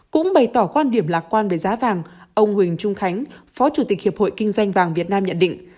cũng bày tỏ quan điểm lạc quan về giá vàng ông huỳnh trung khánh phó chủ tịch hiệp hội kinh doanh vàng việt nam nhận định